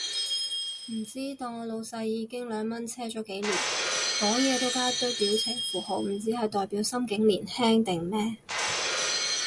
唔知，當我老細已經兩蚊車咗幾年，講嘢都加一堆表情符號，唔知係代表心境年輕定咩